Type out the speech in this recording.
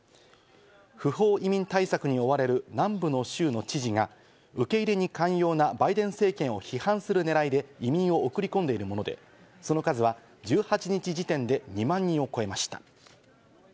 不法移民対策に追われる南部の州の知事が受け入れに寛容なバイデン政権を批判する狙いで移民を送り込んでいるもので、その数は１８日時点で２万人を超えました。